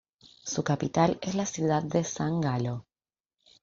Su capital es la ciudad de San Galo.